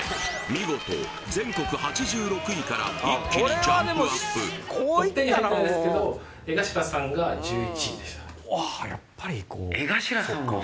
見事全国８６位から一気にジャンプアップああ